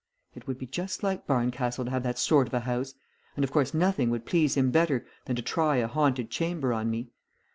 "It would be just like Barncastle to have that sort of a house, and of course nothing would please him better than to try a haunted chamber on me.